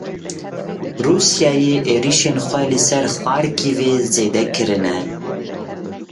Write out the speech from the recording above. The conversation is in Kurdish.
Rûsyayê êrişên xwe li ser Xarkîvê zêde kirine.